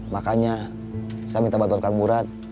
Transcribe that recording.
makanya saya minta bantuan karborat